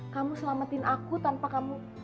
kamu selamatin aku tanpa kamu